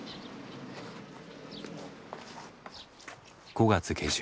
５月下旬。